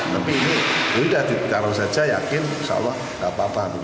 tapi ini sudah ditaruh saja yakin insya allah tidak apa apa